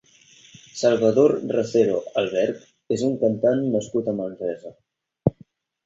Salvador Racero Alberch és un cantant nascut a Manresa.